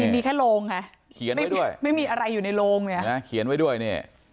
มีแค่โลงฮะไม่มีอะไรอยู่ในโลงเขียนไว้ด้วยเนี่ย